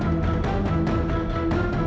kita harus ke rumah